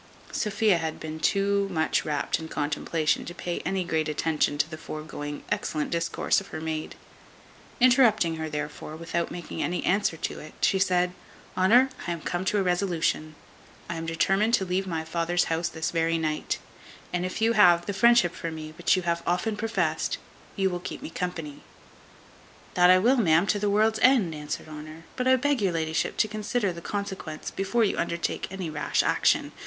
Sophia had been too much wrapt in contemplation to pay any great attention to the foregoing excellent discourse of her maid; interrupting her therefore, without making any answer to it, she said, "Honour, I am come to a resolution. I am determined to leave my father's house this very night; and if you have the friendship for me which you have often professed, you will keep me company." "That I will, ma'am, to the world's end," answered Honour; "but I beg your la'ship to consider the consequence before you undertake any rash action.